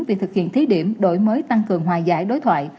việc thực hiện thí điểm đổi mới tăng cường hòa giải đối thoại